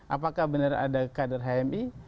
apakah benar ada kader hmi